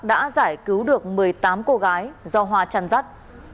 đã giải cứu được một mươi tám cô gái do hoa chăn rắt